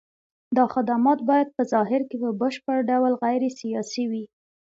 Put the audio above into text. دا خدمات باید په ظاهر کې په بشپړ ډول غیر سیاسي وي.